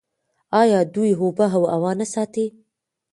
آیا دوی اوبه او هوا نه ساتي؟